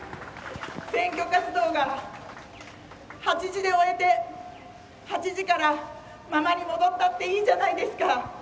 選挙活動が８時で終えて８時からママに戻ったっていいじゃないですか。